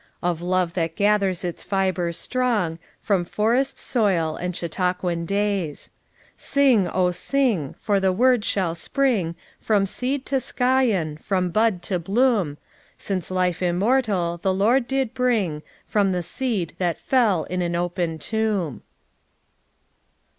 Of love that gathers its fibers strong From forest soil and Chautauquan days. Sing, oh sing I for the word shall spring From seed to scion, from hud to bloom, Since life immortal the Lord did bring From the seed that fell in an open tomb."